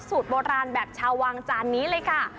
สูตรโบราณแบบชาววังจานนี้เลยค่ะ